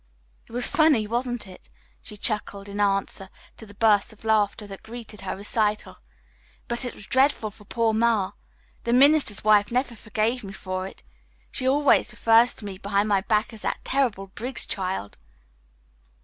"It was funny, wasn't it?" she chuckled in answer to the burst of laughter that greeted her recital. "But it was dreadful for poor Ma. The minister's wife never forgave me for it. She always referred to me behind my back as that 'terrible Briggs child.'"